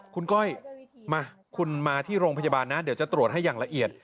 คุณก้อยมาคุณมาที่โรงพยาบาลนะเดี๋ยวจะตรวจให้อย่างละเอียด